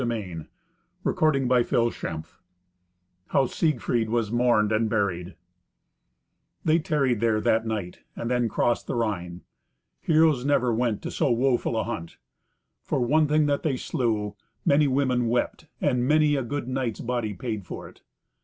Seventeenth Adventure How Siegfried Was Mourned and Buried They tarried there that night, and then crossed the Rhine. Heroes never went to so woeful a hunt. For one thing that they slew, many women wept, and many a good knight's body paid for it.